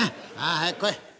早く来い！